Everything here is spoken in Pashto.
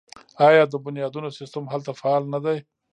آیا د بنیادونو سیستم هلته فعال نه دی؟